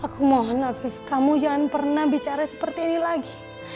aku mohon maaf kamu jangan pernah bicara seperti ini lagi